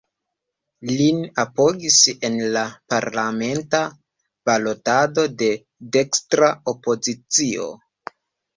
Lin apogis en la parlamenta balotado la dekstra opozicio.